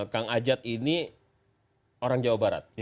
kang ajat ini orang jawa barat